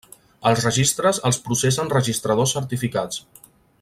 Els registres els processen registradors certificats.